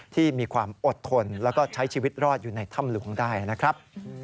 ที่มีความอดทนแล้วก็ใช้ชีวิตรอดอยู่ในถ้ำหลวงได้นะครับ